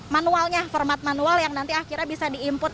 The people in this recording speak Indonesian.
manualnya format manual yang nanti akhirnya bisa di input